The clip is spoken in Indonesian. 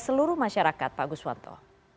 seluruh masyarakat pak guswanto